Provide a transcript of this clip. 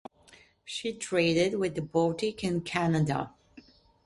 She traded with the Baltic and Canada.